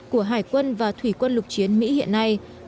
của hải quân và thủy quân lục chiến mỹ hiện nay